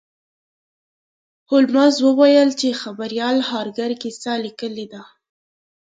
هولمز وویل چې خبریال هارکر کیسه لیکلې ده.